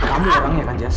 kamu orangnya kan jas